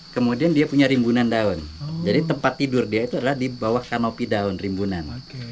kemudian dia punya rimbunan daun jadi tempat tidur dia itu adalah di bawah kanopi daun rimbunan